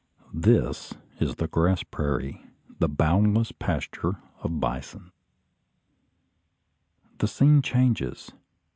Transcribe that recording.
This is the "grass prairie," the boundless pasture of the bison. The scene changes.